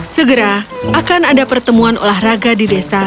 segera akan ada pertemuan olahraga di desa